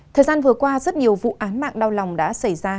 thời gian vừa qua rất nhiều vụ án mạng đau lòng đã xảy ra